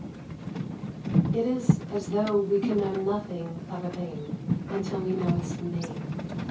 It is as though we can know nothing of a thing until we know its name.